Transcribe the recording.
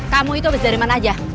kamu itu habis dari mana aja